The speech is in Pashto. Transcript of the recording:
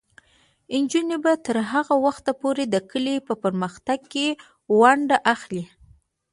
نجونې به تر هغه وخته پورې د کلي په پرمختګ کې ونډه اخلي.